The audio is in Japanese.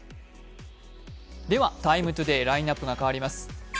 では、「ＴＩＭＥ，ＴＯＤＡＹ」ラインナップが変わります。